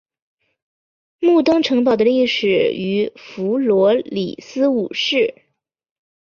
木登城堡的历史始于弗罗里斯五世。